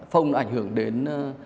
phông ảnh hưởng đến